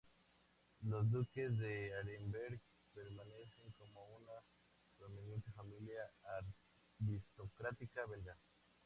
Los Duques de Arenberg permanecen como una prominente familia aristocrática belga.